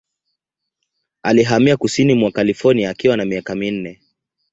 Alihamia kusini mwa California akiwa na miaka minne.